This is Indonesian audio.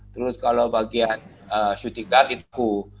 terus kalau bagian shooting guard itu